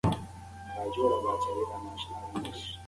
ارمان کاکا د زردالو د ونو په لیدلو سره خپلې ځوانۍ ته لاړ.